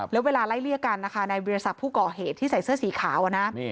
แล้วเวลาไล่เลี่ยกันนะคะในบริษัทผู้ก่อเหตุที่ใส่เสื้อสีขาวนะ